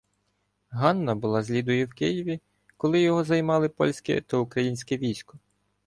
Ганна була з Лідою в Києві, коли його займало польське та українське військо.